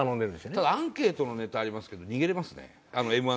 ただアンケートのネタありますけど逃げれますね。